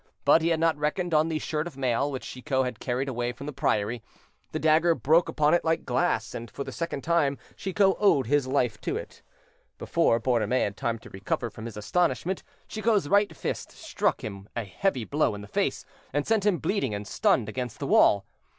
But he had not reckoned on the shirt of mail which Chicot had carried away from the priory. The dagger broke upon it like glass, and for the second time Chicot owed his life to it. Before Borromée had time to recover from his astonishment, Chicot's right fist struck him a heavy blow in the face, and sent him bleeding and stunned against the wall.